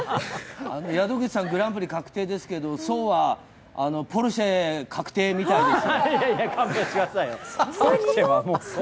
グランプリ確定ですけど、壮はポルシェ確定みたいです。